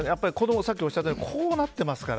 さっきもおっしゃったようにこうなってますから。